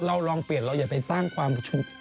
เราลองเปลี่ยนเราอย่าไปสร้างความทุกข์